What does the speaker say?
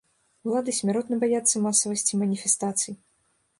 Улады смяротна баяцца масавасці маніфестацый.